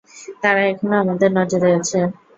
তারা এখনো আমাদের নজরে আছে।